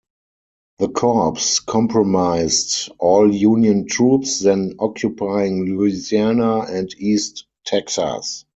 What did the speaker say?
The corps comprised all Union troops then occupying Louisiana and east Texas.